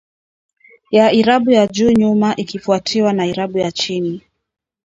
Ya irabu ya juu nyuma ikifuatiwa na irabu ya chini